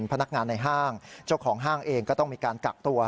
พนักงานในห้างเจ้าของห้างเองก็ต้องมีการกักตัว